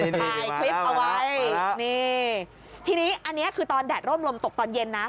นี่ทีนี้อันนี้คือตอนแดดโล่งลมตกตอนเย็นนะ